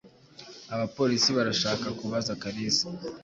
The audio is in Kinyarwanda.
Abapolisi barashaka kubaza Kalisa.